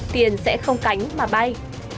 tiền sẽ không cánh mà bay